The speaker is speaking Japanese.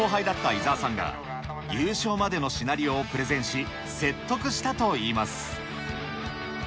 田村さんの２つ後輩だった伊沢さんが、優勝までのシナリオをプレゼンし、説得したといいます。